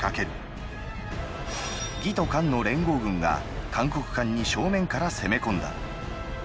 魏と韓の連合軍が函谷関に正面から攻め込んだ。